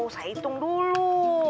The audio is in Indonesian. saya hitung dulu